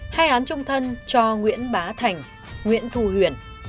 hai án trung thân cho nguyễn bá thành nguyễn thu huyền